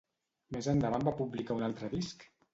Més endavant va publicar un altre disc?